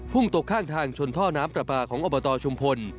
ตกข้างทางชนท่อน้ำประปาของอบตชุมพล